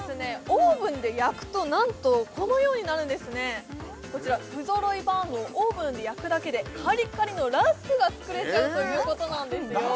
オーブンで焼くとなんとこのようになるんですねこちら不揃いバウムをオーブンで焼くだけでカリカリのラスクが作れちゃうということなんですよ